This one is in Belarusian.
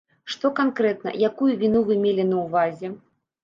Што канкрэтна, якую віну вы мелі на ўвазе?